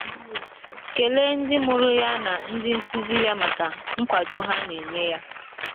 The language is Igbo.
kelee ndị mụrụ ya na ndị nkuzi ya maka nkwàdó ha na-enye ya